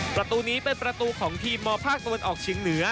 ประตูนี้เป็นประตูของทีมมภาคตะวันออกเชียงเหนือ